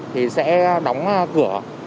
thì sẽ đóng cửa